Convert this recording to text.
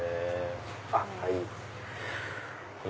あっはい。